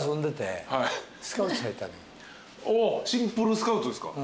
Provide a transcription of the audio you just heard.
シンプルスカウトですか？